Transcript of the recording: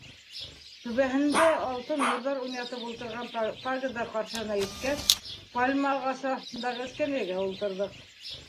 Түбәһендә алтын нурҙар уйнатып ултырған пагода ҡаршыһына еткәс, пальма ағасы аҫтындағы эскәмйәгә ултырҙыҡ.